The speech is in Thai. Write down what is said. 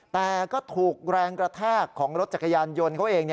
แต่ก็ถูกแรงกระแทกของรถจักรยานยนต์เขาเอง